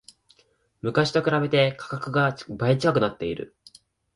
昔と比べて価格が倍近くなってる